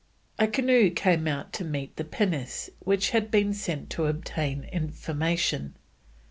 A canoe came out to meet the pinnace which had been sent to obtain information.